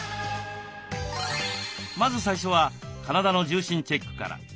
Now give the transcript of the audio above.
まず最初は体の重心チェックから。